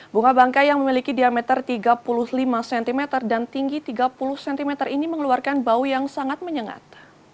bunga bangkai yang memiliki diameter tiga puluh lima cm dan tinggi tiga puluh cm ini mengeluarkan bau yang sangat menyengat